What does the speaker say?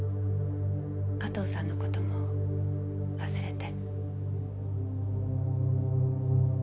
加藤さんの事も忘れて。